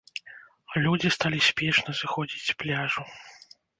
Людзі сталі спешна сыходзіць з пляжу.